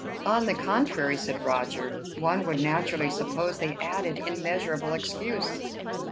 "On the contrary," said Roger, "one would naturally suppose they added immeasurable excuse."